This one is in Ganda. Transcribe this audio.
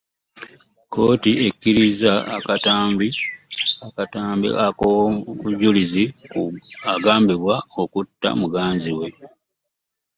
Kkkoti ekirizza akatumbi akatambi mk'obujulizi ku agmbibwa okutta muganzi we.